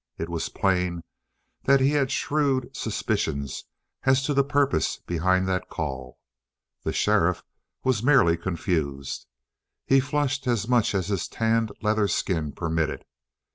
It was plain that he had shrewd suspicions as to the purpose behind that call. The sheriff was merely confused. He flushed as much as his tanned leather skin permitted.